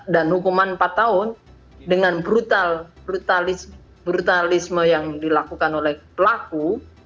dan hukuman empat tahun dengan brutalisme yang dilakukan oleh pelaku